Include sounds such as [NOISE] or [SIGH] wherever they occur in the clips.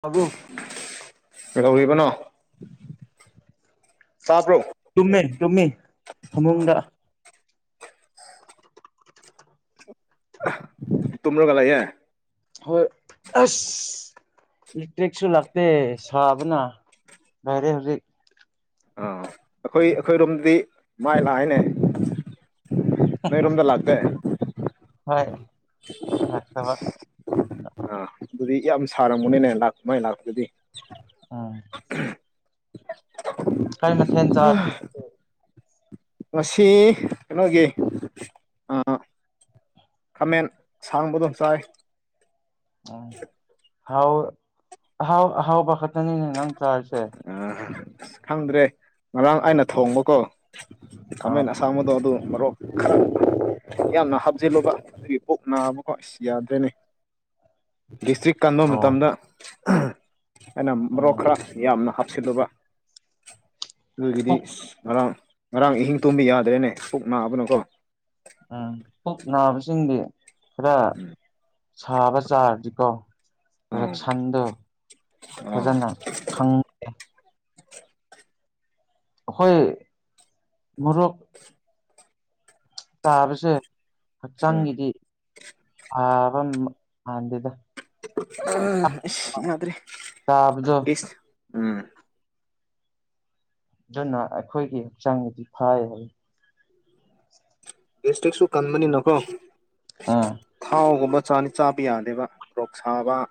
ꯇꯕ꯭ꯔ ꯀꯗꯧꯔꯤꯕꯅꯣ ꯇꯥꯕ꯭ꯔꯣ ꯇꯨꯝꯃꯦ ꯇꯨꯝꯃꯤ ꯐꯃꯨꯡꯗ ꯇꯨꯝ꯭ꯔꯣꯒꯂꯥꯏꯌꯦ ꯍꯣꯏ ꯑꯁ ꯏꯂꯦꯛꯇ꯭ꯔꯤꯛꯁꯨ ꯂꯥꯛꯇꯦ ꯁꯥꯕꯅ ꯂꯥꯏꯔꯦ ꯍꯧꯖꯤꯛ ꯑꯥ ꯑꯩꯈꯣꯏ ꯑꯩꯈꯣꯏꯔꯣꯝꯗꯤ ꯃꯥꯏ ꯂꯥꯛꯏꯅꯦ ꯅꯣꯏꯔꯣꯝꯗ ꯂꯥꯛ ꯏ [INAUDIBLE] ꯍꯣꯏ ꯅꯠꯇꯕ [INAUDIBLE] ꯑꯥ ꯑꯗꯨꯗꯤ ꯌꯥꯝ ꯁꯥꯔꯝꯃꯅꯤꯅꯦ ꯂꯥꯛꯄ ꯃꯥꯏ ꯂꯥꯛꯄꯗꯗꯤ ꯎꯝ ꯀꯩ ꯃꯊꯦꯜ ꯆꯥ ꯍꯥ [INAUDIBLE] ꯉꯁꯤ ꯀꯩꯅꯣꯒꯤ ꯑꯥ ꯈꯥꯃꯦꯟ ꯑꯁꯥꯡꯕꯗꯣ ꯆꯥꯏ ꯎꯝ ꯑꯍꯥꯎ ꯑꯍꯥꯎ ꯑꯍꯥꯎꯕ ꯈꯠꯇꯅꯤꯅꯦ ꯅꯪ ꯆꯥꯔꯤꯁꯦ ꯑ ꯑꯁ ꯈꯪꯗ꯭ꯔꯦ ꯉꯔꯥꯡ ꯑꯩꯅ ꯊꯣꯡꯕꯀꯣ ꯑꯥ ꯈꯥꯃꯦꯟ ꯑꯁꯡꯗꯣ ꯑꯗꯨ ꯃꯔꯣꯛ ꯈꯔ ꯌꯥꯝꯅ ꯍꯥꯞꯆꯤꯜꯂꯨꯕ ꯑꯗꯨꯒꯤ ꯄꯨꯛ ꯅꯥꯕꯀꯣ ꯑꯩ ꯌꯥꯗ꯭ꯔꯦꯅꯦ ꯗꯤꯁꯇ꯭ꯔꯤꯛ ꯀꯟꯕ ꯑꯣ ꯃꯇꯝꯗ ꯑꯩꯅ ꯃꯣꯔꯣꯛ ꯎꯝ ꯈꯔ ꯌꯥꯝꯅ ꯍꯥꯞꯆꯤꯜꯂꯨꯕ ꯑꯗꯨꯒꯤꯗꯤ ꯄꯨꯛ ꯉꯔꯥꯡ ꯉꯔꯥꯡ ꯑꯍꯤꯡ ꯇꯨꯝꯕ ꯌꯥꯗ꯭ꯔꯦꯅꯦ ꯄꯨꯛ ꯅꯥꯕꯅꯀꯣ ꯎꯝ ꯄꯨꯛ ꯅꯥꯕꯁꯤꯡꯗꯤ ꯈꯔ ꯁꯥꯕ ꯆꯥꯔꯗꯤꯀꯣ ꯔ ꯑꯥ ꯁꯟꯗ ꯑꯥ ꯈꯖꯅ ꯈꯪ ꯍꯣꯏ ꯃꯨꯔꯣꯛ ꯇꯥꯕꯁꯦ ꯎꯝ ꯍꯛꯆꯥꯡꯒꯤꯗꯤ ꯊꯥꯕ ꯃꯥꯟꯗꯦꯗ ꯌꯥ꯭ꯗꯔꯦ ꯇꯥꯕꯗꯣ ꯑꯁ ꯎꯝ ꯑꯗꯨꯅ ꯑꯩꯈꯣꯏꯒꯤ ꯍꯛꯆꯥꯡꯗꯗꯤ ꯐꯥꯏ ꯍꯥꯏ ꯁꯇꯔꯤꯛꯁꯨ ꯀꯟꯕꯅꯤꯅꯀꯣ ꯎꯝ ꯊꯥꯎꯒꯨꯝꯕ ꯆꯥꯅꯤ ꯆꯥꯕ ꯌꯥꯗꯦꯕ ꯔꯣꯛ ꯁꯥꯕ ꯑ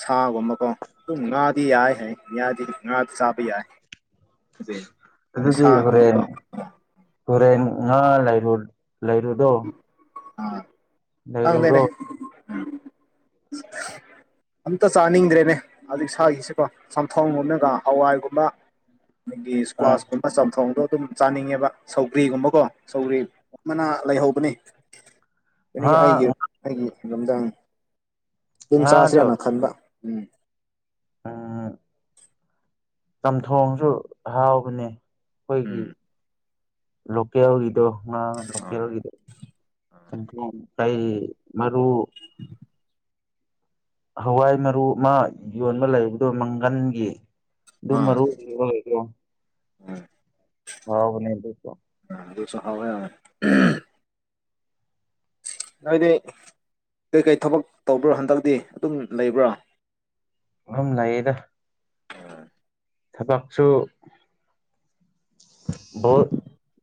ꯁꯥꯒꯨꯝꯕꯀꯣ ꯑꯗꯨꯝ ꯉꯥꯗꯤ ꯌꯥꯏ ꯍꯥꯏ ꯉꯗꯤ ꯉꯥꯗꯤ ꯆꯥꯕ ꯌꯥꯏ ꯑꯗꯨ ꯀꯩꯅꯣ ꯁꯥꯒꯨꯝꯕ ꯇꯨꯔꯦꯟ ꯉꯥ ꯂꯩꯔꯨ ꯂꯩꯔꯨꯗꯣ ꯑꯥ ꯈꯪꯗꯦꯅꯦ ꯂꯩꯔꯨꯔꯣ [UNINTELLIGIBLE] ꯑꯝꯇ ꯆꯥꯅꯤꯡꯗ꯭ꯔꯦꯅꯦ ꯑꯗꯨꯒꯤ ꯁꯥꯒꯤꯁꯤꯀꯣ ꯆꯝꯊꯣꯡꯒꯨꯝꯝꯅꯒ ꯍꯋꯥꯏꯒꯨꯝꯕ ꯑꯩꯗꯤ ꯎꯝ ꯏꯁꯀ꯭ꯋꯥꯁꯀꯨꯝꯕ ꯆꯝꯊꯣꯡꯗꯣ ꯑꯗꯨꯝ ꯆꯥꯅꯤꯡꯉꯦꯕ ꯁꯧꯒ꯭ꯔꯤꯒꯨꯝꯕꯀꯣ ꯁꯧꯒ꯭ꯔꯤ ꯃꯅꯥ ꯂꯩꯍꯧꯕꯅꯤ ꯑꯗꯒꯤ ꯉꯥ ꯑꯩꯒꯤ ꯑꯩꯒꯤ ꯔꯨꯝꯗ ꯌꯦꯟ ꯉꯥꯗꯣ ꯆꯥꯁꯦꯅ ꯈꯟꯕ ꯎꯝ ꯎꯝ ꯆꯝꯊꯣꯡꯁꯨ ꯍꯥꯎꯕꯅꯦ ꯑꯩꯈꯣꯏꯒꯤ ꯎꯝ ꯂꯣꯀꯦꯜꯒꯤꯗꯣ ꯉꯥ ꯑꯥ ꯂꯣꯀꯦꯜꯒꯤꯗꯣ ꯆꯝꯊꯣꯡ ꯃꯔꯨ ꯍꯋꯥꯏ ꯃꯔꯨ ꯑꯃ ꯌꯣꯟꯕ ꯂꯩꯕꯗꯣ ꯃꯪꯒꯟꯒꯤ ꯑꯗꯨꯝ ꯑꯥ ꯃꯔꯨꯞ [INAUDIBLE] ꯎꯝ [INAUDIBLE] ꯍꯥꯎꯕꯅꯦ ꯑꯗꯨꯁꯨ ꯑꯗꯨꯁꯨ ꯍꯥꯎꯋꯦ ꯍꯥꯎꯋꯦ ꯅꯣꯏꯗꯤ ꯀꯩꯀꯩ ꯊꯕꯛ ꯇꯧꯕ꯭ꯔꯣ ꯍꯟꯗꯛꯇꯤ ꯑꯗꯨꯝ ꯂꯩꯕ꯭ꯔꯣ ꯑꯗꯨꯝ ꯂꯩꯌꯦꯗ ꯊꯕꯛꯁꯨ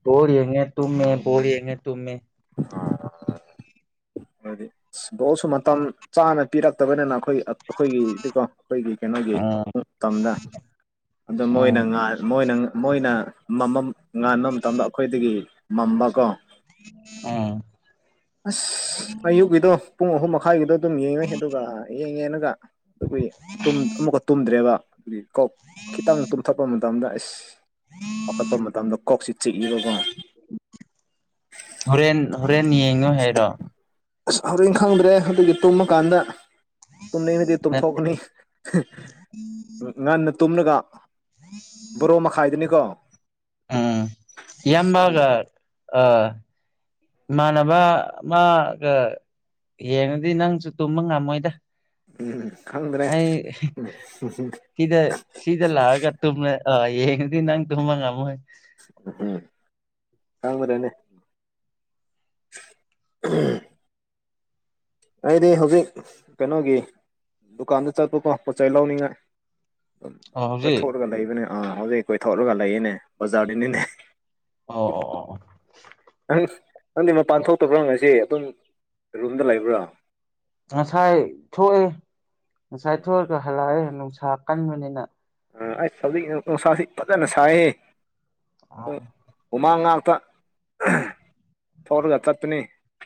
ꯇꯔꯤ ꯌꯦꯉꯦ ꯇꯨꯝꯃꯦ ꯃꯦꯔꯤ ꯌꯦꯉꯦ ꯇꯨꯝ ꯃꯦꯃꯦ ꯑ ꯍꯥꯏꯗꯤ ꯕꯣꯜꯁꯨ ꯃꯇꯝ ꯆꯥꯅ ꯄꯤꯔꯛꯇꯕꯅꯤꯅ ꯑꯩꯈꯣꯏ ꯑꯩꯈꯣꯏꯒꯤꯗꯤ ꯀꯣ ꯑꯩꯈꯣꯏꯒꯤ ꯀꯩꯅꯣꯒꯤ ꯎꯝ ꯇꯝꯗ ꯑꯗꯨ ꯎꯝ ꯃꯣꯏꯅ ꯃꯣꯏꯅ ꯃꯣꯏꯅ ꯃꯃꯝ ꯉꯥꯟꯕ ꯃꯇꯝꯗ ꯑꯩꯈꯣꯏꯗꯒꯤ ꯃꯝꯕ ꯀꯣ ꯑꯥꯝ ꯑꯁ ꯑꯌꯨꯛꯀꯤꯗꯣ ꯄꯨꯡ ꯑꯍꯨꯝ ꯃꯈꯥꯏꯒꯤꯗꯣ ꯑꯗꯨꯝ ꯌꯦꯡꯉꯦ ꯑꯗꯨꯒ ꯌꯦꯡꯉꯦꯅꯒ ꯇꯨꯝ ꯑꯃꯨꯛꯀ ꯇꯨꯝꯗ꯭ꯔꯦꯕ ꯀꯣꯛ ꯈꯤꯇꯪ ꯇꯨꯝꯊꯣꯛꯄ ꯃꯇꯝꯗ ꯑꯦꯁ ꯍꯧꯈꯠꯄ ꯃꯇꯝꯗ ꯀꯣꯛꯁꯤ ꯆꯤꯛꯏꯕꯒꯨꯝ ꯍꯣꯔꯦꯟ ꯍꯣꯔꯦꯟ ꯌꯦꯡꯉꯣ ꯍꯥꯏꯔꯣ ꯑꯁ ꯍꯣꯔꯦꯟ ꯈꯪꯗ꯭ꯔꯦ ꯑꯗꯨꯒꯤ ꯇꯨꯝꯃꯀꯥꯟꯗ ꯇꯨꯝꯅꯤꯡꯂꯗꯤ ꯅꯠꯇꯦ ꯇꯨꯝꯊꯣꯛꯀꯅꯤ ꯉꯟꯅ ꯇꯨꯝꯂꯒ ꯕꯣꯔꯣ ꯃꯈꯥꯏꯗꯅꯤꯀꯣ ꯎꯝ ꯑꯁ ꯑꯗꯨꯗꯤ ꯏꯌꯥꯝꯝꯕꯒ ꯑ ꯏꯃꯥꯟꯅꯕ ꯑꯃꯒ ꯌꯦꯡꯉꯗꯤ ꯅꯪꯁꯨ ꯇꯨꯝꯕ ꯉꯝꯃꯣꯏꯗ ꯎꯝ ꯈꯪꯗ꯭ꯔꯦ ꯑꯩ ꯁꯤꯗ ꯁꯤꯗ ꯂꯥꯛꯑꯒ ꯇꯨꯝꯕ ꯌꯦꯉꯗꯤ ꯅꯪ ꯇꯨꯝꯕ ꯉꯝꯃꯣꯏ ꯎꯝ [UNINTELLIGIBLE] ꯑꯩꯗꯤ ꯍꯧꯖꯤꯛ ꯀꯩꯅꯣꯒꯤ ꯗꯨꯀꯥꯟꯗ ꯆꯠꯄꯀꯣ ꯄꯣꯠ ꯆꯩ ꯂꯧꯅꯤꯡꯉꯥꯏ ꯑꯣ ꯍꯧꯖꯤꯛ ꯀꯣꯏꯊꯣꯛꯂꯒ ꯂꯩꯕꯅꯦ ꯑꯥ ꯍꯧꯖꯤꯛ ꯀꯣꯏꯊꯣꯛꯂꯒ ꯂꯩꯌꯦꯅꯦ ꯕꯖꯥꯔꯗꯅꯤꯅꯦ ꯑꯣ ꯑꯣ ꯑꯣ ꯅꯪ ꯅꯪꯗꯤ ꯃꯄꯥꯟ ꯊꯣꯛꯇꯕ꯭ꯔꯣ ꯉꯁꯤ ꯑꯗꯨꯝ ꯔꯨꯝꯗ ꯂꯩꯕ꯭ꯔꯣ ꯉꯁꯥꯏ ꯊꯣꯛꯢ ꯉꯁꯥꯏ ꯊꯣꯛꯑꯒ ꯍꯜꯂꯛꯑꯦ ꯅꯨꯡꯁꯥ ꯀꯟꯕꯅꯤꯅ ꯑꯩꯁ ꯍꯧꯖꯤꯛ ꯅꯨꯡꯁꯥꯁꯦ ꯐꯖꯟꯅ ꯁꯥꯢꯍꯦ ꯑꯝ ꯍꯨꯃꯥꯡ ꯉꯥꯛꯇ ꯊꯣꯔꯒ ꯆꯠꯄꯅꯤ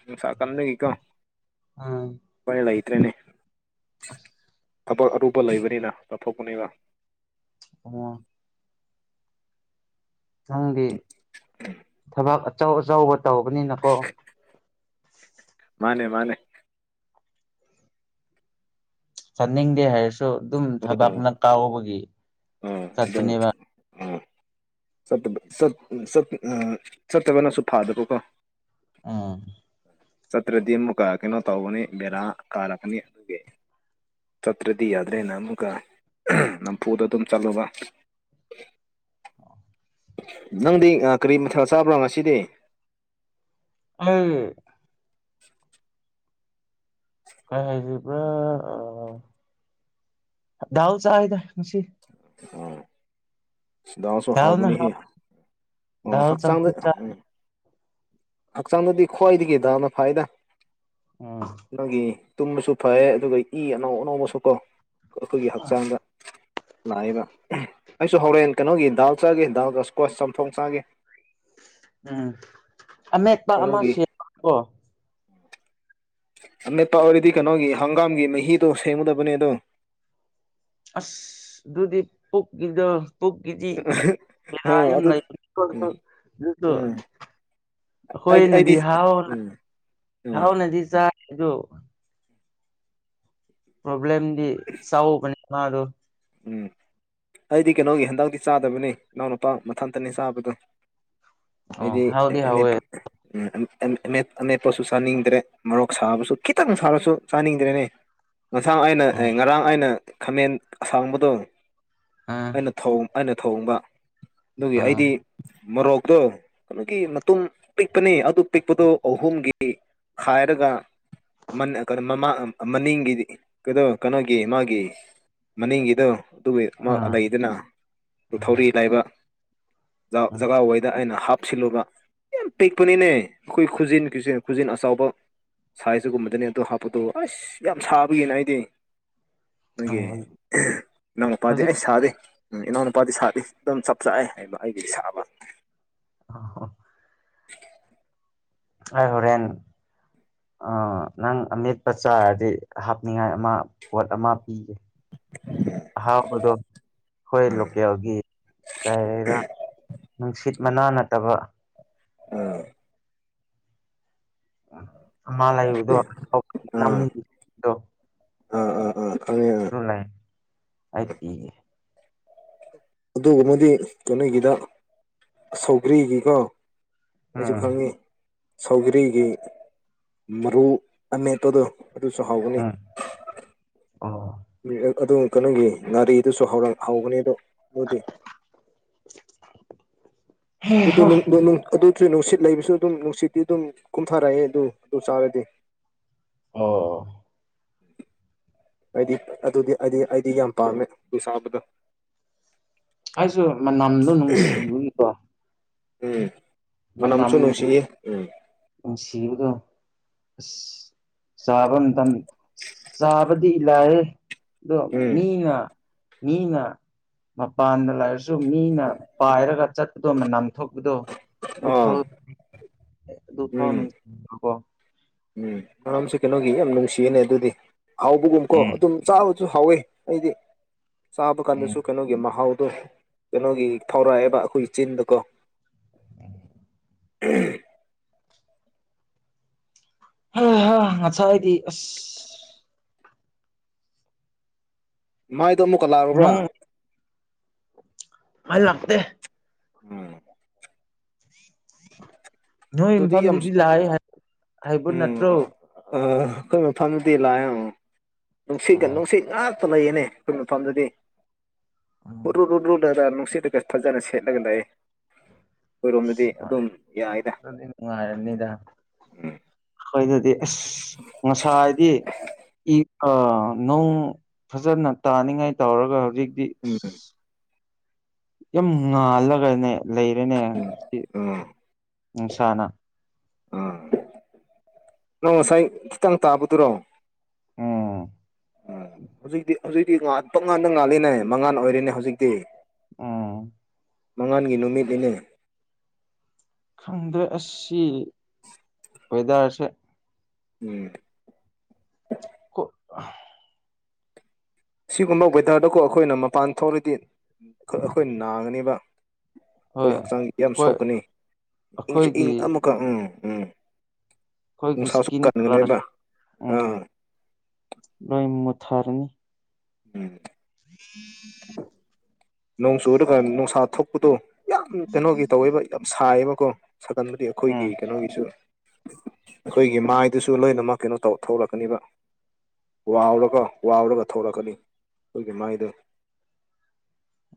ꯅꯨꯡꯁꯥ ꯀꯟꯕꯒꯤꯀꯣ ꯎꯝ ꯎꯄꯥꯢ ꯂꯩꯇ꯭ꯔꯦꯅꯦ ꯑꯁ ꯊꯕꯛ ꯑꯔꯨꯕ ꯂꯩꯕꯅꯤꯅ ꯆꯠꯊꯣꯛꯄꯅꯤꯕ ꯑꯣ ꯅꯪꯗꯤ ꯊꯕꯛ ꯑꯆꯧ ꯑꯆꯧꯕ ꯇꯧꯕꯅꯤꯅꯀꯣ ꯃꯥꯅꯦ ꯃꯥꯅꯦ ꯆꯥꯅꯤꯡꯗꯦ ꯍꯥꯏꯔꯁꯨ ꯑꯗꯨꯝ ꯎꯝ ꯊꯕꯛꯅ ꯀꯥꯎꯕꯒꯤ ꯎꯝ ꯑꯗꯨꯝ ꯆꯠꯄꯅꯦꯕ ꯆꯠꯇꯕ ꯆꯠ ꯆꯠ ꯆꯠꯇꯕꯅꯁꯨ ꯐꯥꯗꯕꯀꯣ ꯎꯝ ꯆꯠꯇ꯭ꯔꯗꯤ ꯑꯃꯨꯛꯀ ꯀꯩꯅꯣ ꯇꯧꯒꯅꯤ ꯕꯦꯔꯥ ꯀꯥꯔꯛꯀꯅꯤ ꯑꯗꯨꯒꯤ ꯆꯠꯇ꯭ꯔꯗꯤ ꯌꯥꯗ꯭ꯔꯦꯅ ꯑꯃꯨꯛꯀ ꯅꯝꯐꯨꯗ ꯑꯗꯨꯝ ꯆꯠꯂꯕ [INAUDIBLE] ꯅꯪꯗꯤ ꯀꯔꯤ ꯃꯊꯦꯜ ꯆꯥꯕ꯭ꯔꯣ ꯉꯁꯤꯗꯤ ꯑꯩ [UNINTELLIGIBLE] ꯗꯥꯜ ꯆꯥꯢꯗ ꯉꯁꯤ ꯑꯣ ꯗꯥꯜꯁꯨ ꯗꯥꯜꯅ ꯍꯥꯎꯕꯅꯤꯍꯦ ꯍꯥꯎ ꯎꯝ ꯗꯥꯜ ꯍꯛꯆꯥꯡꯗ ꯆꯝꯐꯨꯠ ꯆꯥꯏ ꯎꯝ ꯍꯛꯆꯥꯡꯗꯗꯤ ꯈ꯭ꯋꯥꯏꯗꯤꯒꯤ ꯗꯥꯜꯅ ꯐꯥꯏꯗ ꯎꯝ ꯅꯣꯏꯒꯤ ꯇꯨꯝꯕꯁꯨ ꯐꯩ ꯑꯗꯨꯒ ꯏ ꯑꯅꯧ ꯑꯅꯧꯕꯁꯨ ꯀꯣ ꯑꯩꯈꯣꯏꯒꯤ ꯍꯛꯆꯥꯡꯗ ꯂꯥꯛꯏꯕ ꯑꯩꯁꯨ ꯍꯣꯔꯦꯟ ꯀꯩꯅꯣꯒꯤ ꯗꯥꯜ ꯆꯥꯒꯦ ꯗꯥꯜ ꯁꯀ꯭ꯋꯥꯁ ꯆꯝꯊꯣꯡ ꯆꯥꯒꯦ ꯎꯝ ꯑꯃꯦꯠꯄ ꯑꯃ ꯀꯩꯅꯣꯒꯤ ꯁꯤ ꯀꯣ ꯑꯃꯦꯠꯄ ꯑꯣꯏꯔꯗꯤ ꯀꯩꯅꯣꯒꯤ ꯍꯪꯒꯥꯝꯒꯤ ꯃꯍꯤꯗꯣ ꯁꯦꯝꯒꯗꯕꯅꯦ ꯑꯗꯣ ꯑꯁ ꯑꯗꯨꯗꯤ ꯄꯨꯛꯀꯤꯗ ꯄꯨꯛꯀꯤꯖꯤ ꯑ ꯕꯦꯔꯥ ꯌꯥꯝ ꯑꯗꯨ ꯂꯩꯕꯅꯤꯀꯣ ꯎꯝ ꯑꯗꯨꯗꯣ ꯎꯝ ꯑꯩꯗꯤ ꯑꯩꯗꯤ ꯑꯈꯣꯏꯅꯗꯤ ꯍꯥꯎꯅ ꯎꯝ ꯎꯝ ꯍꯥꯎꯅꯗꯤ ꯆꯥꯏ ꯑꯗꯣ ꯄ꯭ꯔꯣꯕ꯭ꯂꯦꯝꯗꯤ ꯆꯥꯎꯕꯅꯦ ꯃꯥꯗꯣ ꯎꯝ ꯑꯩꯗꯤ ꯀꯩꯅꯣꯒꯤ ꯍꯟꯗꯛꯇꯤ ꯆꯥꯗꯕꯅꯦ ꯏꯅꯥꯎ ꯅꯨꯄꯥ ꯃꯊꯟꯇꯅꯦ ꯆꯥꯕꯗꯣ ꯑꯣ ꯃꯗꯤ ꯍꯥꯎꯗꯤ [INAUDIBLE] ꯍꯥꯎꯋꯦ ꯎ ꯑꯃꯦꯠꯄꯁꯨ ꯆꯥꯅꯤꯡꯗ꯭ꯔꯦ ꯃꯔꯣꯔꯣꯛ ꯁꯥꯕꯁꯨ ꯈꯤꯇꯪ ꯁꯥꯔꯁꯨ ꯆꯥꯅꯤꯡꯗ꯭ꯔꯦꯅꯦ ꯉꯁꯥꯡ ꯑꯩꯅ ꯑꯦ ꯑꯣ ꯉꯔꯥꯡ ꯑꯩꯅ ꯈꯥꯃꯦꯟ ꯑꯁꯥꯡꯕꯗꯣ ꯑꯥ ꯑꯩꯅ ꯑꯩꯅ ꯊꯧꯍꯣꯡꯕ ꯑꯗꯨꯒꯤ ꯑꯥ ꯑꯩꯗꯤ ꯃꯣꯔꯣꯛꯇꯣ ꯀꯩꯅꯣꯒꯤ ꯃꯇꯨꯡꯨꯝ ꯄꯤꯛꯄꯅꯤ ꯑꯗꯨ ꯄꯤꯛꯄꯗꯨꯣ ꯑꯍꯨꯝꯒꯤ ꯈꯥꯏꯔꯒ ꯃꯃ ꯃꯅꯤꯡꯒꯤꯗꯤ ꯀꯩꯅꯣ ꯀꯩꯅꯣꯒꯤ ꯃꯥꯒꯤ ꯃꯅꯤꯡꯒꯤꯗꯣ ꯑꯗꯨꯕꯨ ꯑꯃ ꯑꯥ ꯂꯩꯗꯅ ꯊꯧꯔꯤ ꯂꯥꯏꯕ ꯑꯥ ꯖꯒꯥꯋꯥꯏꯗ ꯑꯩꯅ ꯍꯥꯞ ꯁꯤꯜꯂꯒ ꯌꯥꯝ ꯄꯤꯛꯄꯅꯤꯅꯦ ꯑꯩꯈꯣꯏ ꯈꯨꯖꯤꯟ ꯈꯨꯖꯤꯟ ꯑꯆꯥꯎꯕ ꯁꯥꯏꯖꯇꯒꯨꯝꯕꯗꯅꯦ ꯑꯣ ꯍꯥꯞꯄꯠꯇꯣ ꯑꯁ ꯌꯥꯝ ꯁꯥꯕꯒꯤꯅ ꯑꯩꯗꯤ ꯑ [INAUDIBLE] ꯅꯪ ꯃꯄꯥꯗꯤ ꯑꯩ ꯁꯥꯗꯦ ꯎꯝ ꯏꯅꯥꯎꯅ ꯅꯨꯄꯥꯗꯤ ꯁꯥꯗꯤ ꯑꯗꯨꯝ ꯆꯞ ꯆꯥꯦ ꯍꯥꯏꯕ ꯑꯩꯒꯤꯗꯤ ꯁꯥꯕ ꯑ ꯍ [INAUDIBLE] [INAUDIBLE] ꯑꯩ ꯍꯣꯔꯦꯟ ꯑ ꯅꯪ ꯑꯃꯦꯠꯄ ꯆꯥꯔꯗꯤ ꯍꯥꯞꯅꯤꯡꯉꯥꯏ ꯑꯃ ꯄꯣꯠ ꯑꯃ ꯄꯤꯒꯦ ꯑꯍꯥꯎꯕꯗꯣ ꯑꯩꯈꯣꯏ ꯎꯝ ꯂꯣꯀꯦꯜꯒꯤ ꯀꯔ ꯅꯨꯡꯁꯤꯠ ꯃꯅꯥ ꯅꯠꯇꯕ ꯎꯝ ꯎꯝ ꯂꯩꯕꯗꯨꯗꯣ ꯑꯥ ꯑꯥ ꯑꯥ ꯈꯪꯉꯦ ꯑꯥ ꯑꯩ ꯄꯤꯒꯦ ꯑꯗꯨꯒꯃꯗꯤ ꯀꯩꯅꯣꯒꯤꯗ ꯁꯧꯒ꯭ꯔꯤꯒꯤꯀꯣ ꯑꯩꯁꯨ ꯎꯝ ꯈꯪꯉꯤ ꯁꯧꯒꯔꯤꯒꯤ ꯃꯔꯨ ꯑꯅꯦꯠꯇꯨꯗꯣ ꯑꯗꯨꯁꯨ ꯍꯧꯒꯅꯤ ꯎꯝ ꯑꯣ ꯑꯗꯨ ꯀꯩꯅꯣꯒꯤ ꯒꯥꯥꯔꯤꯗꯨꯁꯨꯔ ꯍꯧꯒꯅꯤ ꯑꯗꯣ ꯑꯗꯨꯗꯤ [UNINTELLIGIBLE] ꯑꯗꯨ ꯑꯗꯨ ꯅꯨꯡꯁꯤꯠ ꯂꯩꯕꯁꯨ ꯑꯗꯨꯝ ꯅꯨꯡꯁꯤꯠꯇꯤ ꯑꯗꯨꯝ ꯀꯨꯝꯊꯥꯔꯛꯑꯦ ꯑꯗꯨ ꯑꯗꯨ ꯆꯥꯔꯗꯤ ꯑꯣ ꯑꯩꯗꯤ ꯑꯗꯨꯗꯤ ꯑꯩꯗꯤ ꯑꯩꯗꯤ ꯌꯥꯝ ꯄꯥꯝꯃꯦ ꯑꯗꯨ ꯁꯥꯕꯗꯣ ꯑꯩꯁꯨ ꯃꯅꯝꯗꯣ ꯅꯨꯡꯁꯤꯕꯒꯤꯀꯣ ꯎꯝ ꯃꯅꯝ ꯃꯅꯝꯁꯨ ꯅꯨꯡꯁꯤꯌꯦ ꯎꯝ ꯅꯨꯡꯁꯤꯕꯗꯣ ꯑ ꯆꯥꯕ ꯃꯇꯝ ꯆꯥꯕꯗꯤ ꯂꯥꯏꯑꯦ ꯗꯣ ꯎꯝ ꯃꯤꯅ ꯃꯤꯅ ꯃꯄꯥꯟꯗ ꯂꯩꯥꯔꯁꯨ ꯃꯤꯅ ꯄꯥꯏꯔꯒ ꯆꯠꯄꯗꯣ ꯃꯅꯝ ꯊꯣꯛꯄꯗꯣ ꯑꯗꯨ ꯑꯥ ꯐꯥꯎ ꯑꯗꯨ ꯐꯥꯎ ꯎꯝ ꯅꯨꯃꯤꯀꯣ [INAUDIBLE] ꯎꯝ ꯃꯔꯝꯁꯦ ꯀꯩꯅꯣꯒꯤ ꯌꯥꯝ ꯅꯨꯡꯁꯤꯌꯦꯅꯦ ꯑꯗꯨꯗꯤ ꯍꯥꯎꯕꯒꯨꯝ ꯀꯣ ꯎꯝ ꯑꯗꯨꯝ ꯆꯥꯕꯁꯨ ꯍꯥꯎꯋꯦ ꯑꯩꯗꯤ ꯆꯥꯕ ꯎꯝ ꯀꯥꯟꯗꯁꯨ ꯀꯩꯅꯣꯒꯤ ꯃꯍꯥꯎ ꯑꯣ ꯀꯩꯅꯣꯒꯤ ꯊꯧꯔꯛꯑꯦꯕ ꯑꯩꯈꯣꯏꯒꯤ ꯆꯤꯟꯗꯀꯣ ꯎꯝ [INAUDIBLE] ꯍ ꯍ ꯉꯁ ꯍꯥꯏꯗꯤ ꯑꯁ [INAUDIBLE] ꯃꯥꯏꯗꯣ ꯑꯃꯨꯛꯀ ꯂꯥꯛꯔꯕ꯭ꯔꯥ ꯅꯣꯡ ꯂꯜꯗꯦ ꯎꯝ ꯅꯣꯏ ꯑꯗꯨꯗꯤ ꯌꯥꯝ ꯏꯝꯐꯝꯗꯨꯗꯤ ꯂꯥꯛꯑ ꯍꯥꯏꯕ ꯅꯠꯇ꯭ꯔꯣ ꯑ ꯑꯩꯈꯣꯏ ꯃꯐꯝꯗꯨꯗꯤ ꯂꯥꯛꯑꯦ ꯑꯃ ꯅꯨꯡꯁꯤꯠꯀ ꯑꯥ ꯅꯨꯡꯁꯤꯠ ꯉꯥꯛ ꯂ ꯌꯦꯅꯦ ꯀ ꯐꯗꯗꯤ ꯎꯝ ꯍꯔ ꯈꯗ ꯅꯨꯡꯁꯤꯠꯠꯇꯒ ꯐꯖꯅ ꯁꯦꯠꯂꯒ ꯂꯩꯥꯛꯑ ꯑꯩꯈꯣꯏꯔꯣꯝꯗꯗꯤ ꯑꯗꯨꯝ ꯌꯥꯏꯗ ꯅꯨꯡꯉꯥꯏꯔꯝꯅꯤꯗ ꯎꯝ ꯑꯩꯈꯣꯏꯗꯗꯤ ꯑꯁ ꯉꯁꯥꯏ ꯍꯥꯏꯗꯤ ꯏ ꯑꯥ ꯅꯣꯡ ꯐꯖꯅ ꯇꯥꯅꯤꯡꯉꯥꯏ ꯇꯧꯔꯒ ꯍꯧꯖꯤꯛꯇꯤ ꯎꯝ ꯌꯥꯝ ꯉꯥꯜꯂꯒꯅꯦ ꯂꯩꯔꯦꯅꯦ ꯎꯝ ꯎꯝ ꯅꯨꯡꯁꯥꯅ ꯎꯝ ꯅꯪ ꯉꯁꯥꯏ ꯈꯤꯇꯪ ꯇꯥꯕꯗꯨꯔꯣ ꯎꯝ ꯎꯝ ꯍꯧꯖꯤꯛꯇꯤ ꯍꯧꯖꯤꯛꯇꯤ ꯉꯠꯄ ꯉꯥꯟꯗ ꯉꯥꯂꯤꯅꯦ ꯃꯉꯥꯟ ꯑꯣꯏꯔꯤꯅꯦ ꯍꯧꯖꯤꯛꯇꯤ ꯑꯥ [UNINTELLIGIBLE] ꯃꯉꯥꯟꯒꯤ ꯅꯨꯃꯤꯠꯅꯤꯅꯦ ꯈꯪꯗꯦ ꯑꯁꯤ ꯋꯦꯗꯔꯁꯦ ꯎꯝ ꯀ ꯁꯤꯒꯨꯝꯕ ꯋꯦꯗꯔꯗꯀꯣ ꯑꯩꯈꯣꯏꯅ ꯃꯄꯥꯟ ꯊꯣꯛꯔꯗꯤ ꯑꯩꯈꯣꯏꯅ ꯅꯥꯒꯅꯦꯕ ꯑꯩꯈꯣꯏ ꯍꯣꯏ ꯍꯛꯆꯥꯡ ꯌꯥꯝ ꯍꯣꯏ ꯁꯣꯛꯀꯅꯤ ꯏꯪ ꯑꯩꯈꯣꯏꯒꯤ ꯑꯃꯨꯀꯛ ꯎꯝ ꯎꯝ ꯑꯩꯈꯣꯏꯒꯤ ꯏꯁꯁꯨ ꯏꯁꯀꯤꯟ ꯀꯂꯔ ꯀꯒꯗꯕ ꯑ ꯎꯝ ꯂꯣꯏ ꯃꯨꯠꯊꯔꯅꯤ ꯎꯝ [UNINTELLIGIBLE] ꯅꯣꯡꯆꯨ ꯑꯗꯨꯒ ꯅꯨꯡꯁꯥ ꯊꯣꯛꯄꯗꯣ ꯌꯥꯝ ꯀꯩꯅꯣꯒꯤ ꯇꯧꯋꯦꯕ ꯌꯥꯝ ꯁꯥꯏꯌꯦꯕꯀꯣ ꯁꯥꯒꯟꯕꯗꯤ ꯑꯩꯈꯣꯏꯒꯤ ꯎꯝ ꯀꯩꯅꯣꯒꯤꯁꯨ ꯑꯩꯈꯣꯏꯒꯤ ꯃꯥꯏꯗꯨꯁꯨ ꯂꯣꯏꯅꯃꯛ ꯀꯩꯅꯣ ꯇꯧ ꯊꯣꯛꯂꯛꯀꯅꯤꯕ ꯋꯥꯎꯔꯒ ꯋꯥꯎꯔꯒ ꯊꯂꯛꯀꯅꯤ ꯑꯩꯈꯣꯏꯒꯤ ꯃꯥꯏꯗꯣ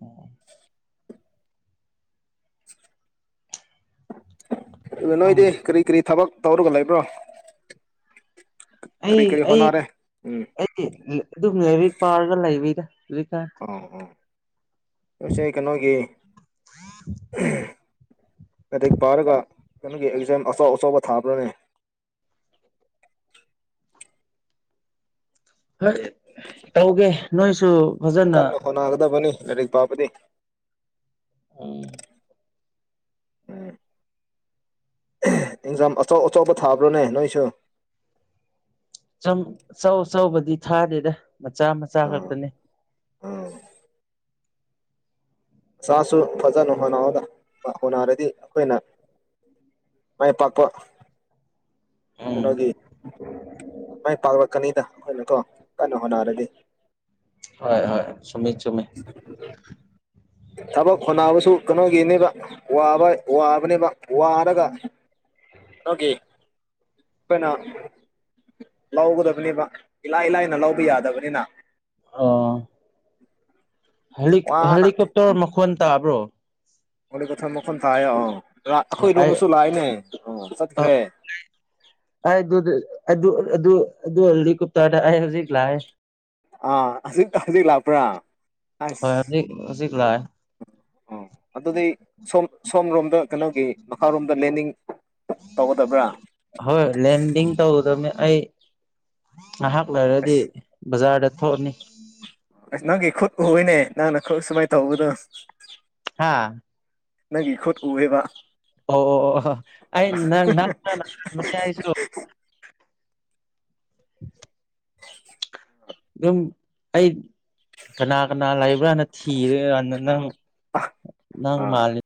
ꯑꯣ ꯑꯗꯨ ꯅꯣꯏꯗꯤ ꯈꯪꯗ꯭ꯔꯦ ꯀꯔꯤ ꯀꯔꯤ ꯊꯕꯛ ꯇꯧꯔꯒ ꯂꯩꯕ꯭ꯔꯣ ꯀꯔꯤ ꯑꯩ ꯀꯔꯤ ꯑꯩ ꯍꯣꯠꯅꯔꯦ ꯎꯝ ꯑꯩ ꯑꯗꯨꯝ ꯂꯥꯏꯔꯤꯛ ꯄꯥꯔꯒ ꯂꯩꯕꯩꯗ ꯍꯧꯖꯤ ꯀꯥꯏ ꯑꯣ ꯑꯣ ꯄꯁꯦ ꯀꯩꯅꯣꯒꯤ ꯃꯦꯇꯛ ꯄꯥꯔꯒ ꯀꯩꯅꯣꯒꯤ ꯑꯦꯛꯖꯥꯝ ꯑꯆꯥꯎ ꯑꯆꯕ ꯊꯥꯕ꯭ꯔꯅꯦ ꯍꯣꯏ ꯇꯧꯒꯦ ꯅꯣꯏꯁꯨ ꯐꯖꯅ ꯀꯟꯅ ꯍꯅꯥꯒꯗꯕꯅꯤ ꯂꯔꯤ ꯄꯥꯄꯗꯤ ꯑ ꯎꯝ ꯑꯦꯛꯖꯥꯝ ꯑꯆꯧ ꯑꯆꯧꯕ ꯊꯥꯕ꯭ꯔꯣꯅꯦ ꯅꯣꯏꯁꯨ ꯑꯧ ꯑꯆꯧꯕꯗꯤ ꯊꯥꯗꯦꯗ ꯃꯆꯥ ꯃꯆꯥ ꯈꯛꯇꯅꯦ ꯑꯝ ꯃꯥꯁꯨ ꯐꯖꯅ ꯍꯣꯠꯅꯗ ꯍꯣꯠꯅꯔꯗꯤ ꯑꯩꯈꯣꯏꯅ ꯃꯥꯏ ꯄꯥꯛꯄ ꯎꯝ ꯀꯩꯅꯣꯒꯤ ꯃꯥꯏ ꯄꯥꯛꯂꯛꯀꯅꯤꯗ ꯑꯩꯈꯣꯏꯅ ꯀꯣ ꯀꯟꯅ ꯍꯣꯠꯅꯔꯗꯤ ꯍꯣꯏ ꯍꯣꯏ ꯁꯃꯤ ꯆꯃꯤ ꯊꯕꯛ ꯍꯣꯅꯕꯁꯨ ꯀꯩꯅꯣꯒꯤꯅꯦꯕ ꯋꯥꯕ ꯋꯥꯕꯅꯦꯕ ꯋꯥꯔꯒ ꯑꯣꯒꯤꯦꯅ ꯂꯧꯒꯗꯕꯅꯤꯕ ꯏꯂꯥꯏ ꯂꯥꯏꯅ ꯂꯧꯕ ꯌꯥꯗꯕꯅꯤꯅ ꯑꯥ ꯋꯥꯅ ꯍꯦꯂꯤꯀꯣꯞꯇꯔ ꯃꯈꯣꯟ ꯇꯥꯕ꯭ꯔꯣ ꯃꯀꯊ ꯃꯈꯟ ꯇꯥꯏ ꯑ ꯑꯩ ꯑꯩꯈꯣꯏꯗꯣꯝꯃꯁꯨ ꯂꯥꯛꯑꯅꯦ ꯑ ꯆꯠꯈ꯭ꯔꯦ ꯑꯩ ꯑꯗꯨ ꯑꯗꯨ ꯑꯗꯨ ꯑꯗꯨ ꯀꯨꯞꯇ ꯑꯩ ꯍꯧꯖꯤꯛ ꯂꯥꯛꯑꯦ ꯑ ꯍꯧꯖꯤꯛ ꯍꯧꯖꯤꯛ ꯂꯥꯛꯄ꯭ꯔꯥ ꯍꯣꯏ ꯑꯁ ꯍꯧꯖꯤꯛꯖꯤꯛꯂꯥꯛꯑꯦ ꯑꯣ ꯑꯗꯨꯗꯤ ꯁꯣꯝ ꯁꯣꯝ ꯔꯣꯝꯗ ꯀꯩꯅꯣꯒꯤ ꯃꯈꯥꯔꯣꯝꯗ ꯂꯦꯟꯅꯤꯡ ꯇꯧꯒꯗꯕ꯭ꯔꯥ ꯍꯣꯏ ꯂꯦꯟꯗꯤꯡ ꯇꯧꯒꯗꯕꯅꯤ ꯑꯩ ꯉꯥꯏꯍꯥꯛ ꯂꯩꯔꯗꯤ ꯑꯁ ꯕꯖꯥꯔꯗ ꯊꯣꯛꯑꯅꯤ ꯑꯁ ꯅꯪꯒꯤ ꯈꯨꯠ ꯎꯏꯅꯦ ꯅꯪꯅ ꯈꯨꯠ ꯁꯨꯃꯥꯏꯅ ꯇꯧꯕꯗꯣ ꯍꯥꯥ ꯅꯪꯒꯤ ꯈꯨꯠ ꯎꯑꯦꯕ ꯑꯣ ꯑꯣ ꯑꯣ ꯑꯩ ꯅꯪ ꯅꯥꯟ ꯈꯕꯅꯦ ꯑꯩꯁꯨ ꯑꯗꯨꯝ ꯑꯩ ꯀꯅꯥ ꯀꯅꯥ ꯂꯩꯕ꯭ꯔꯥꯅ ꯊꯤꯔꯦꯥꯟꯅ ꯅꯪ ꯅꯪ ꯑꯥ ꯃꯥꯜꯂꯤ